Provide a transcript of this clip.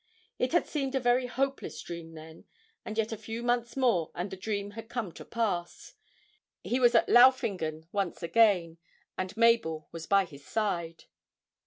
It had seemed a very hopeless dream then, and yet a few months more and the dream had come to pass. He was at Laufingen once again, and Mabel was by his side.